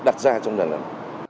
đặt ra trong nhà lập